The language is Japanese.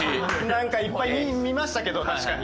なんかいっぱい見ましたけど確かに。